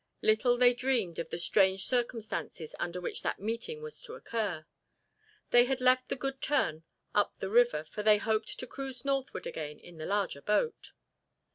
Little they dreamed of the strange circumstances under which that meeting was to occur. They had left the Good Turn up the river for they hoped to cruise northward again in the larger boat.